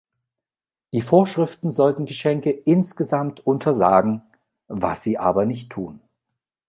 Die Vorschriften sollten Geschenke insgesamt untersagen, was sie aber nicht tun.